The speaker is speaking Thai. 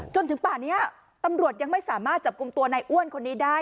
จนถึงป่านี้ตำรวจยังไม่สามารถจับกลุ่มตัวในอ้วนคนนี้ได้